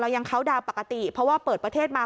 ยังเข้าดาวน์ปกติเพราะว่าเปิดประเทศมา